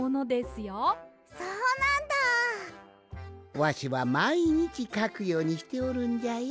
わしはまいにちかくようにしておるんじゃよ。